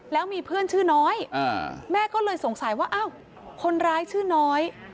แล้วมีเพื่อนชื่อน้อยแม่ก็เลยสงสัยว่าอ้าวคนร้ายชื่อน้อย